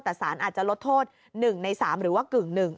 แต่สารอาจจะลดโทษ๑ใน๓หรือว่ากึ่ง๑